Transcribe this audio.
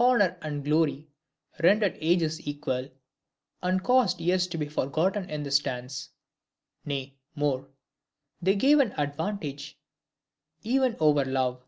Honor and glory rendered ages equal, and caused years to be forgotten in this dance; nay, more, they gave an advantage even over love.